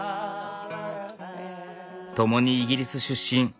ともにイギリス出身。